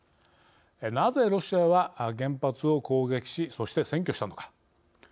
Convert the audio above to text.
なぜロシアは原発を攻撃しそして占拠したのか。